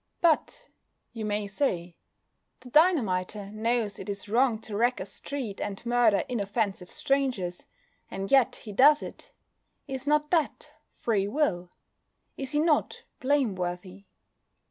"But," you may say, "the dynamiter knows it is wrong to wreck a street and murder inoffensive strangers, and yet he does it. Is not that free will? Is he not blameworthy?"